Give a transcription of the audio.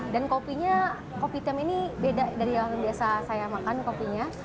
dan kopinya kopi tiam ini beda dari hal yang biasa saya makan kopinya